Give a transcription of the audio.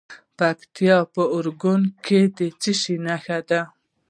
د پکتیکا په اورګون کې د څه شي نښې دي؟